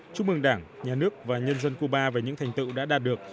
chúc mừng đảng nhà nước và nhân dân cuba về những thành tựu đã đạt được